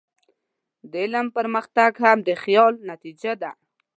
د علم پرمختګ هم د خیال نتیجه ده.